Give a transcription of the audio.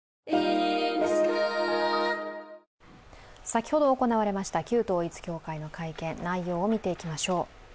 先ほど行われました旧統一教会の会見、内容を見ていきましょう。